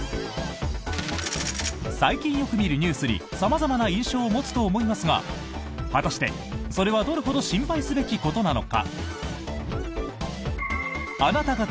最近よく見るニュースに様々な印象を持つと思いますが果たして、それはどれほど心配すべきことなのか？